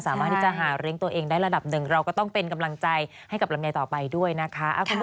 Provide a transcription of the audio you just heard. สามารถที่จะหาเลี้ยงตัวเองได้ระดับหนึ่งเราก็ต้องเป็นกำลังใจให้กับลำไยต่อไปด้วยนะคะ